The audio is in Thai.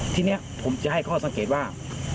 ทีนี้ผมจะให้ข้อสังเกตว่า